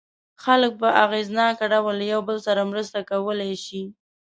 خلک په اغېزناک ډول له یو بل سره مرسته کولای شي.